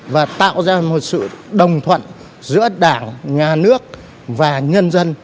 và tạo ra một sự đồng thuận giữa đảng nhà nước và nhân dân